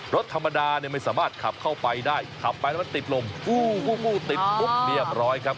รถธรรมดาเนี่ยไม่สามารถขับเข้าไปได้ขับไปแล้วมันติดลมอู้ติดปุ๊บเรียบร้อยครับ